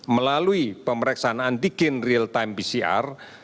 melalui pemeriksaan antigen real time pcr